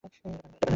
এটা কানে দাও।